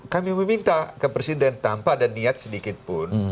kami meminta ke presiden tanpa ada niat sedikit pun